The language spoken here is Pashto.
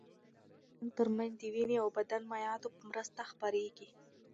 د انسانانو تر منځ د وینې او بدن مایعاتو په مرسته خپرېږي.